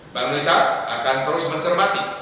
bank indonesia akan terus mencermati